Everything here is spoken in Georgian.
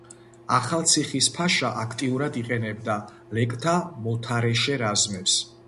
ახალციხის ფაშა აქტიურად იყენებდა ლეკთა მოთარეშე რაზმებს.